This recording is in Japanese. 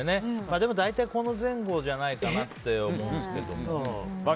でも大体この前後じゃないかなと思うんですけど。